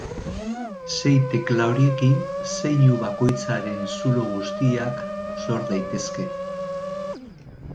Sei tekla horiekin zeinu bakoitzaren zulo guztiak sor daitezke.